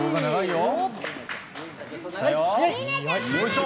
よいしょ！